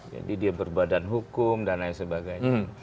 jadi dia berbadan hukum dan lain sebagainya